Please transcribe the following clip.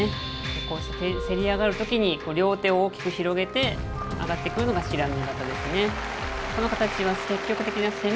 こうしてせり上がるときに両手を大きく広げて、上がってくるのが不知火型ですね。